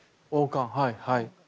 はいはい。